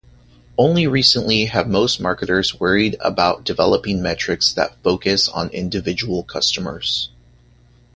Only recently have most marketers worried about developing metrics that focus on individual customers.